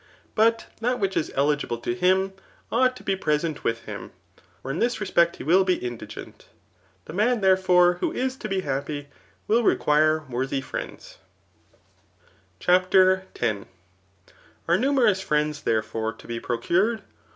But that which is eligible to him, ought to be! pre^ sent with him ; or in this respett he will be indi^ift The man, therefore, who is to be happy will reqdri worthy friends* CHAPTER X. Are numerous friends, therefore, to be procured